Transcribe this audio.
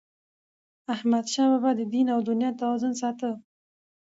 احمدشاه بابا به د دین او دنیا توازن ساته.